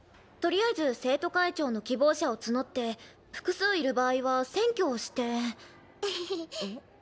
とりあえず生徒会長の希望者を募って複数いる場合は選挙をして。